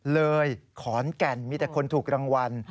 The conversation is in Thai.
เลยขอนแก่นมีแต่คนถูกรางวัล